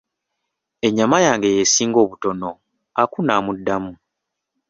Ennyama yange y'esinga obutono, Aku n'amudamu.